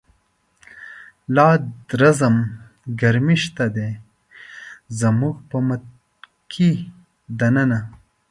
لادرزم ګرمی شته دی، زموږ په مټوکی دننه